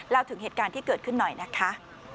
ถึงเหตุการณ์ที่เกิดขึ้นหน่อยนะคะ